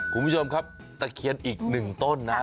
คุณผู้ชมครับตะเคียนอีกหนึ่งต้นนะ